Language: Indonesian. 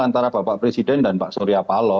antara bapak presiden dan pak surya paloh